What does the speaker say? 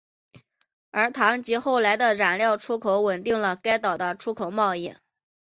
而糖及后来的染料出口稳定了该岛的出口贸易。